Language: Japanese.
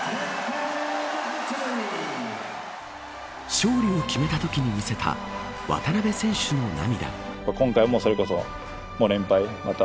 勝利を決めたときに見せた渡邊選手の涙。